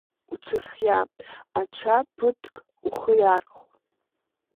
Уҽырхиа, аҽа ԥыҭк ухы иархә…